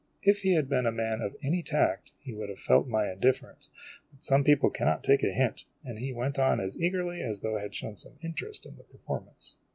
If he had been a man of any tact, he would have felt my indifference ; but some people cannot take a hint, and he went on as eagerly as though I had shown some interest in the perform ance.